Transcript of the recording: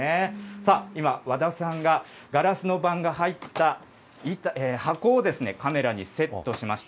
さあ、今、和田さんがガラスの板が入った箱をカメラにセットしました。